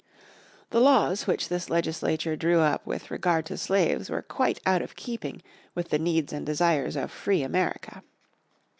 The laws which this legislature drew up with regard to slaves were quite out of keeping with the needs and desires of free America.